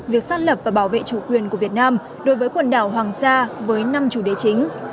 việc xác lập và bảo vệ chủ quyền của việt nam đối với quần đảo hoàng sa với năm chủ đề chính